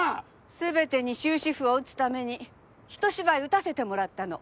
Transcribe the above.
全てに終止符を打つために一芝居うたせてもらったの。